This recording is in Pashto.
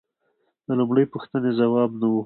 د لومړۍ پوښتنې ځواب نه و